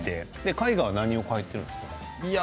絵画は何を描いているんですか。